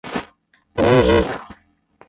胡锦鸟。